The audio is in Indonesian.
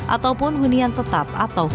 ataupun hunian tetap